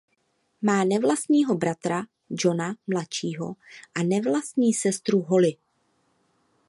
Má nevlastního bratra Johna mladšího a nevlastní sestru Holly.